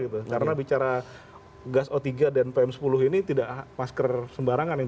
itu karena bicara gas o tiga dan olahraga yang tol maka di jauh lewat itu tidak bisa berhasil menahan olahraga